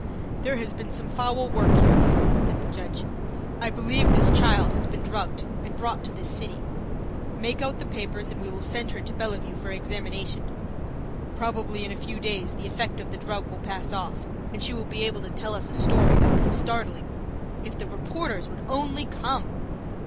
"There has been some foul work here," said the judge. "I believe this child has been drugged and brought to this city. Make out the papers and we will send her to Bellevue for examination. Probably in a few days the effect of the drug will pass off and she will be able to tell us a story that will be startling. If the reporters would only come!"